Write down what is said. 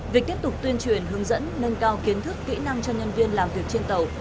việc tiếp tục tuyên truyền hướng dẫn nâng cao kiến thức kỹ năng cho nhân viên làm việc trên tàu